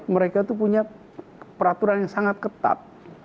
mereka itu punya peraturan yang sangat ketat